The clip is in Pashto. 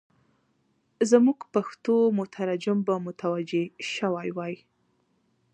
زموږ پښتو مترجم به متوجه شوی وای.